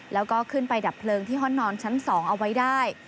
แล้วก็ขึ้นไปดับเพลิงที่ห้องนอนชั้น๒เอาไว้ได้